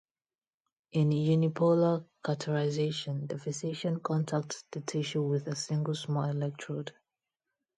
In unipolar cauterization, the physician contacts the tissue with a single small electrode.